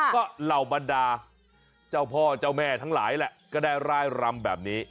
ก็เหล่าบรรดาเจ้าพ่อเจ้าแม่ทั้งหลายแหละก็ได้ร่ายรำแบบนี้